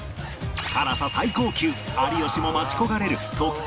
辛さ最高級有吉も待ち焦がれる特級